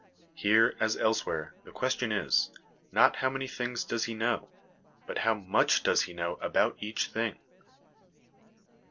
Here, as elsewhere, the question is, not how many things does he know, but how much does he know about each thing.